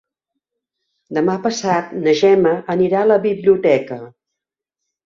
Demà passat na Gemma anirà a la biblioteca.